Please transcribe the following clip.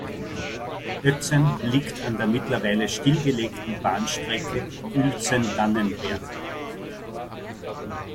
Oetzen liegt an der mittlerweile stillgelegten Bahnstrecke Uelzen–Dannenberg.